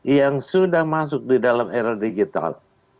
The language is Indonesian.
yang sudah masuk di dalam era digital